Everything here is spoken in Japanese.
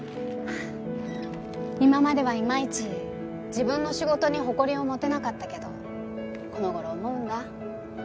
今まではいまいち自分の仕事に誇りを持てなかったけどこの頃思うんだ。